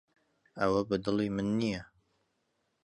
ئەوە بەدڵی من نییە.